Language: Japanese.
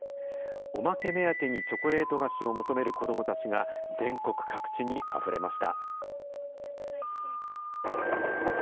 おまけ目当てにチョコレート菓子を求める子どもたちが、全国各地にあふれました。